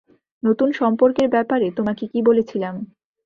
নতুন সম্পর্কের ব্যাপারে তোমাকে কি বলেছিলাম?